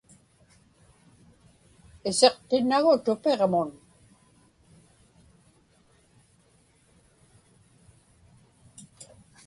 Isiqtinnagu tupiġmun.